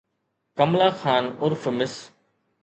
ڪملا خان عرف مس